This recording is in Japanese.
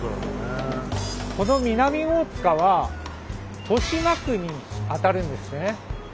この南大塚は豊島区にあたるんですね。